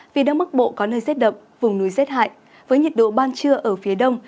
vì đông bắc bộ có nơi rét đậm vùng núi rét hại với nhiệt độ ban trưa ở phía đông